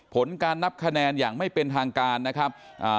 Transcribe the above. ผลการนับคะแนนอย่างไม่เป็นทางการนะครับ